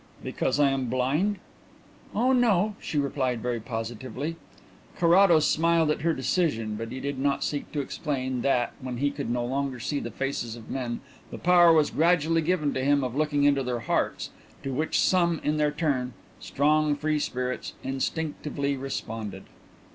"Because I am blind?" "Oh no," she replied very positively. Carrados smiled at her decision but he did not seek to explain that when he could no longer see the faces of men the power was gradually given to him of looking into their hearts, to which some in their turn strong, free spirits instinctively responded.